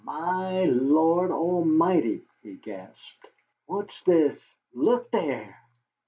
"My Lord A'mighty!" he gasped. "What's this? Look there!"